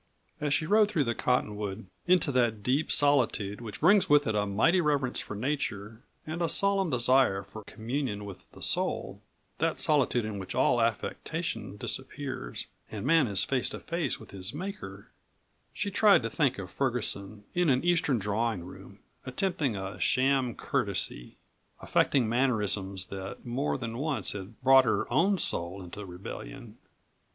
As she rode through the cottonwood, into that deep solitude which brings with it a mighty reverence for nature and a solemn desire for communion with the soul that solitude in which all affectation disappears and man is face to face with his Maker she tried to think of Ferguson in an Eastern drawing room, attempting a sham courtesy, affecting mannerisms that more than once had brought her own soul into rebellion.